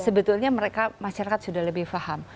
sebetulnya mereka masyarakat sudah lebih paham